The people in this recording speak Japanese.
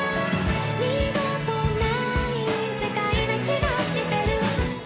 「二度とない世界な気がしてる」